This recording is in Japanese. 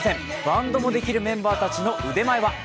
バンドもできるメンバーたちの腕前は？